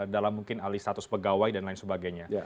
dalam mungkin alih status pegawai dan lain sebagainya